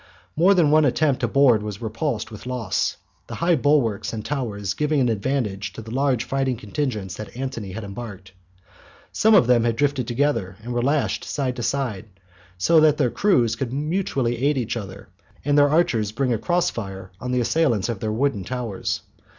More than one attempt to board was repulsed with loss, the high bulwarks and towers giving an advantage to the large fighting contingents that Antony had embarked. Some of them had drifted together, and were lashed side to side, so that their crews could mutually aid each other, and their archers bring a cross fire on the assailants of their wooden towers.